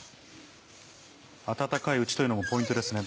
温かいうちというのもポイントですね。